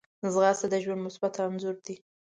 ځغاسته د ژوند مثبت انځور دی